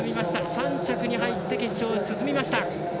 ３着に入って決勝に進みました。